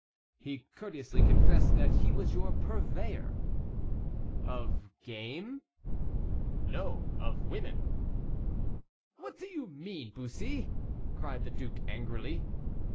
"He courteously confessed that he was your purveyor." "Of game?" "No; of women." "What do you mean, Bussy?" cried the duke angrily.